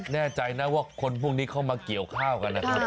แน่ใจนะว่าคนพวกนี้เข้ามาเกี่ยวข้าวกันนะครับ